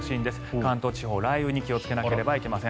関東地方、雷雨に気をつけないといけません。